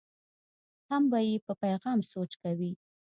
هم به یې په پیغام سوچ کوي.